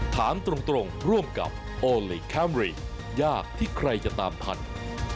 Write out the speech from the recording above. ถามตรงร่วมกับโอลี่คัมรี่ยากที่ใครจะตามทัน